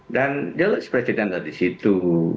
dan jelas presiden ada di situ